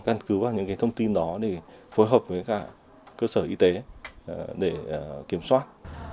gắn cứu vào những thông tin đó để phối hợp với các cơ sở y tế để kiểm soát